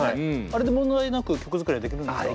あれで問題なく曲作りができるんですか？